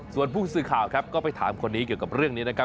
ส่วนผู้สื่อข่าวครับก็ไปถามคนนี้เกี่ยวกับเรื่องนี้นะครับ